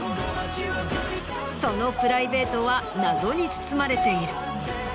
そのプライベートは謎に包まれている。